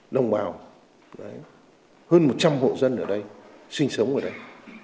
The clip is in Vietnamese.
đồng bào hơn một trăm linh hộ dân ở đây sinh sống ở đây